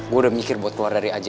gua udah mikir buat keluar dari aj club